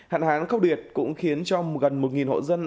hạn hán khóc điệt cũng khiến cho gần một hộ dân